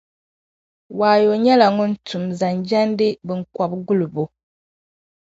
Wayo nyɛla ŋun tum zaŋ jɛndi binkɔb' gulibo.